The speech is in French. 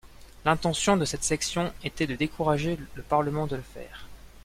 L'intention de cette section était de décourager le parlement de le faire.